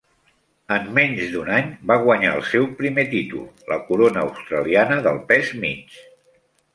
En menys d'un any va guanyar el seu primer títol, la corona australiana del pes mig.